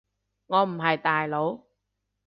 我唔係大佬